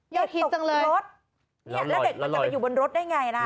ยอดฮิตจังเลยแล้วเด็กมันจะไปอยู่บนรถได้ไงล่ะแล้วลอย